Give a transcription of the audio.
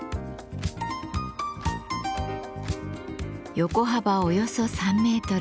横幅およそ３メートル。